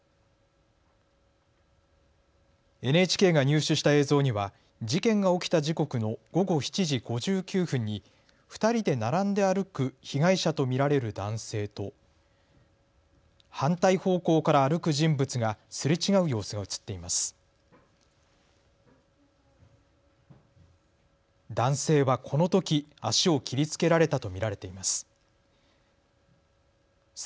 ＮＨＫが入手した映像には事件が起きた時刻の午後７時５９分に２人で並んで歩く被害者と見られる男性と反対方向から歩く人物がすれ違う様子が写っています。